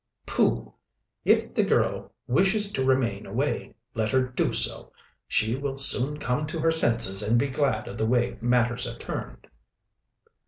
"Pooh! If the girl wishes to remain away, let her do so. She will soon come to her senses and be glad of the way matters have turned."